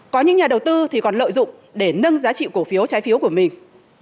có những nhà đầu tư thì còn lợi dụng để nâng giá trị cổ phiếu trái phiếu của mình